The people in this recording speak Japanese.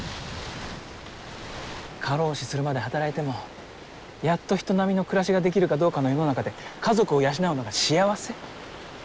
過労死するまで働いてもやっと人並みの暮らしができるかどうかの世の中で家族を養うのが幸せ？